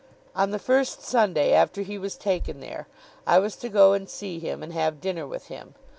On the first Sunday after he was taken there, I was to go and see him, and have dinner with him.